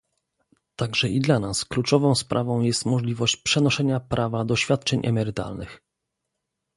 Także i dla nas kluczową sprawą jest możliwość przenoszenia prawa do świadczeń emerytalnych